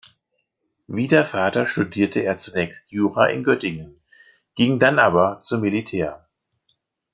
Wie der Vater studierte er zunächst Jura in Göttingen, ging dann aber zum Militär.